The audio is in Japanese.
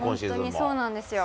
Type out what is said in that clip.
本当にそうなんですよ。